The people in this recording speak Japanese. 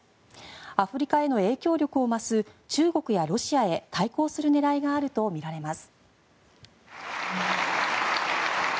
アフリカへの影響力を増す中国やロシアへ対抗する狙いがあるとみられます。